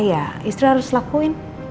ya istri harus lakuin